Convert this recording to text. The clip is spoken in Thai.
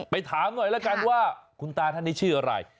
ถามหน่อยแล้วกันว่าคุณตาท่านนี้ชื่ออะไร